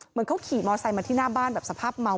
เหมือนเขาขี่มอไซค์มาที่หน้าบ้านแบบสภาพเมา